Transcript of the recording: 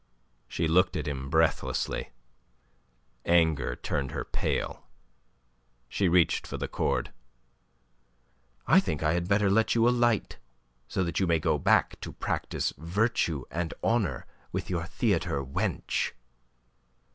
She looked at him breathlessly. Anger turned her pale. She reached for the cord. "I think I had better let you alight so that you may go back to practise virtue and honour with your theatre wench."